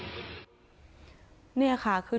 ลูกสาวก็ทดไปบอกนะว่าจะไปกินเลี้ยงกับเพื่อน